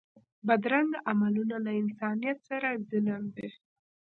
بدرنګه عملونه له انسانیت سره ظلم دی